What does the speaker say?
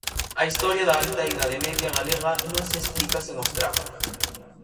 A historia da Alta Idade Media galega non se explica sen os Traba.